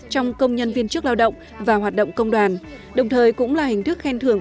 trong công nhân viên chức lao động và hoạt động công đoàn đồng thời cũng là hình thức khen thưởng